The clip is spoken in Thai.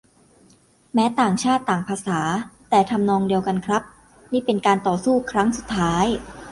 แม้ต่างชาติต่างภาษา แต่ทำนองเดียวกันครับ นี่เป็นการต่อสู้ครั้งสุดท้าย